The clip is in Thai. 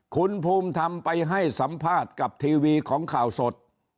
คุณภูมิธรรมไปให้สัมภาษณ์กับทีวีของข่าวสด